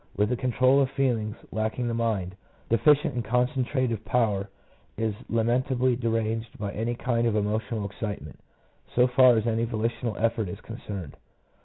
With the control of feelings lacking, the mind, deficient in concentrative power, is lament ably deranged by any kind of emotional excitement, so far as any volitional effort is concerned.